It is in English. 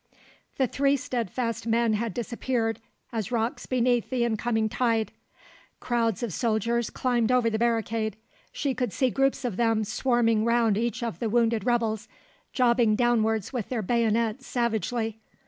The three steadfast men had disappeared as rocks beneath the incoming tide. Crowds of soldiers climbed over the barricade; she could see groups of them swarming round each of the wounded rebels, jobbing downwards with their bayonets savagely.